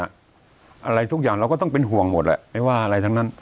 อะไรทุกอย่างเราก็ต้องเป็นห่วงหมดแหละไม่ว่าอะไรทั้งนั้น